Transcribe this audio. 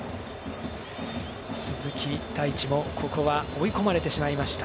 鈴木大地も、ここは追い込まれてしまいました。